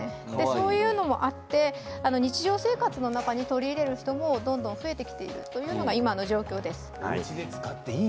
そういうのもあって日常生活の中に取り入れる人もどんどん増えてきているというのが今の状況です。